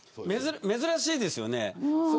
珍しいですよね。